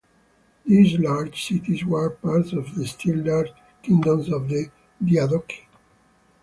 These larger cities were parts of the still larger Kingdoms of the Diadochi.